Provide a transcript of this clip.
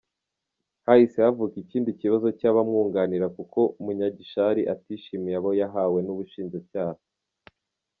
Hahise havuka ikindi kibazo cy’abamwunganira kuko Munyagishari atishimiye abo yahawe n’ubushinjacyaha .